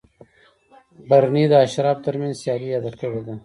برني د اشرافو ترمنځ سیالي یاده کړې ده.